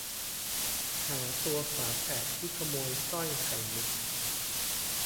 หาตัวฝาแฝดที่ขโมยสร้อยไข่มุก